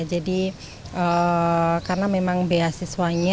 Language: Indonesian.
jadi karena memang beasiswanya